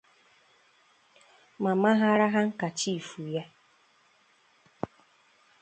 ma maghara handkachiifù ya